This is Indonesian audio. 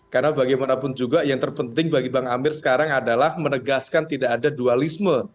karena bagaimanapun juga yang terpenting bagi bang amir sekarang adalah menegaskan tidak ada dualisme